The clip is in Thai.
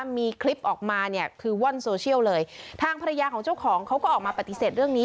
มีคลิปออกมาเนี่ยคือว่อนโซเชียลเลยทางภรรยาของเจ้าของเขาก็ออกมาปฏิเสธเรื่องนี้